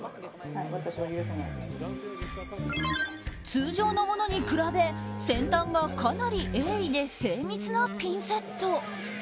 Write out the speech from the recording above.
通常のものに比べ先端がかなり鋭利で精密なピンセット。